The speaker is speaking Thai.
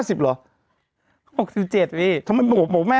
๖๗นี่ทำไมบอกแม่๕๐